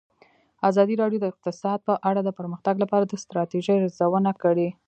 ازادي راډیو د اقتصاد په اړه د پرمختګ لپاره د ستراتیژۍ ارزونه کړې.